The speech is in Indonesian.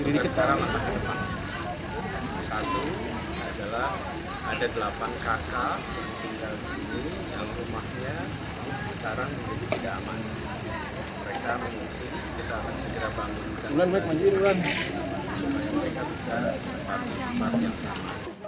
di peristiwa tersebut pemprov langsung mengecek turap yang berada di bantaran kali yang terkena longsor